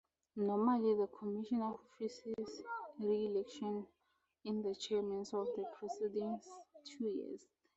Normally the commissioner who faces reelection is the chairman for the preceding two years.